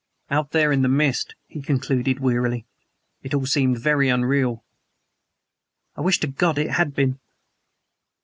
"Out there in the mist," he concluded wearily, "it all seemed very unreal." "I wish to God it had been!"